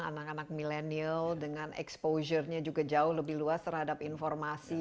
anak anak milenial dengan exposure nya juga jauh lebih luas terhadap informasi